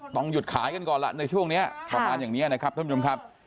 ต้องหยุดขายกันก่อนล่ะในช่วงนี้ประมาณอย่างนี้นะครับท่านผู้ชมครับ